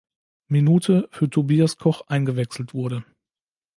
Minute für Tobias Koch eingewechselt wurde.